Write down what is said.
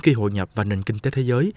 khi hội nhập vào nền kinh tế thế giới